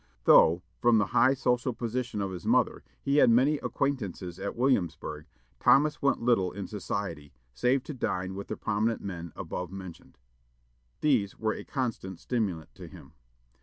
Though, from the high social position of his mother, he had many acquaintances at Williamsburg, Thomas went little in society, save to dine with the prominent men above mentioned. These were a constant stimulant to him.